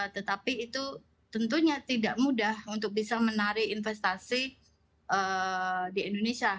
tetapi itu tentunya tidak mudah untuk bisa menarik investasi di indonesia